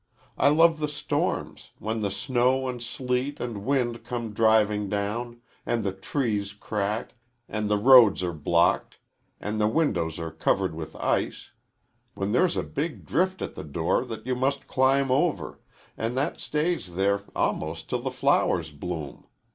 I love the storms, when the snow and sleet and wind come driving down, and the trees crack, and the roads are blocked, and the windows are covered with ice; when there's a big drift at the door that you must climb over, and that stays there almost till the flowers bloom.